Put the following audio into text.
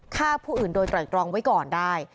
ฆ่าผู้อื่นโดยไตรตรองไว้ก่อนได้